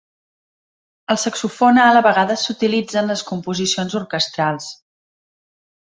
El saxofon alt a vegades s"utilitza en les composicions orquestrals.